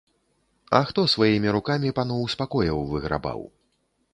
А хто сваімі рукамі паноў з пакояў выграбаў?